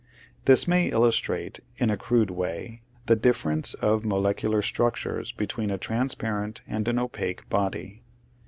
This may illustrate, in a crude way, the difference of molecular structures between a transparent and an opaque body.